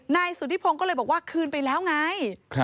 นายสุธิพงศ์ก็เลยบอกว่าคืนไปแล้วไง